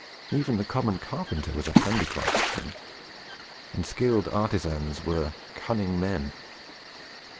Even the common carpenter was a handicraftsman; and skilled artisans were "cunning men."